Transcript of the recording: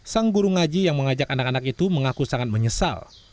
sang guru ngaji yang mengajak anak anak itu mengaku sangat menyesal